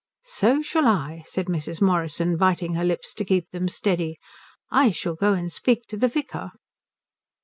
"So shall I," said Mrs. Morrison, biting her lips to keep them steady. "I shall go and speak to the vicar."